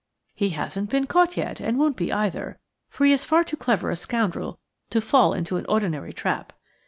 "He hasn't been caught yet, and won't be either, for he is far too clever a scoundrel to fall into an ordinary trap."